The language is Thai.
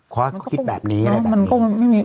คิดแบบนี้อะไรแบบนี้